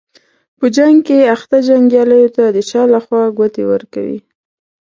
په جنګ کې اخته جنګیالیو ته د شا له خوا ګوتې ورکوي.